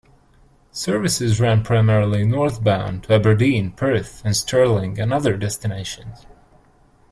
Services ran primarily northbound, to Aberdeen, Perth and Stirling and other destinations.